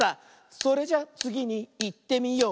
「それじゃつぎにいってみよう」